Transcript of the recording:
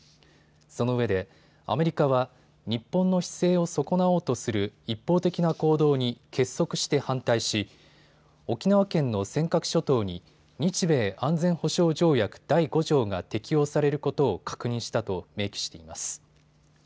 そのうえでアメリカは日本の施政を損なおうとする一方的な行動に結束して反対し沖縄県の尖閣諸島に日米安全保障条約第５条が適用されることを確認したと明記しています。